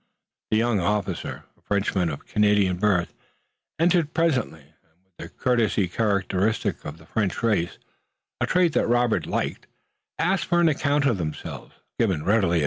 The young officer, a Frenchman of Canadian birth, entered presently, and with the courtesy characteristic of the French race, a trait that Robert liked, asked for an account of themselves, which was given readily.